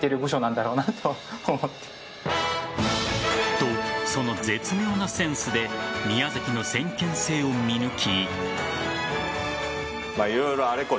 と、その絶妙なセンスで宮崎の先見性を見抜き。